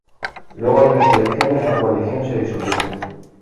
Luego de las elecciones, la coalición se disolvió.